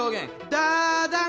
ダダン！